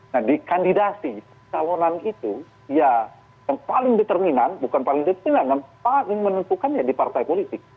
nah di kandidasi calonan itu ya paling determinan bukan paling determinan paling menentukannya di partai politik